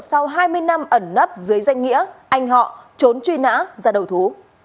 sau hai mươi năm ẩn nấp dưới danh nghĩa anh họ trốn truy nã ra đầu thú